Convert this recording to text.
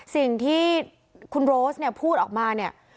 สิ่งที่คุณโรสเนี่ยพูดออกมาเนี่ย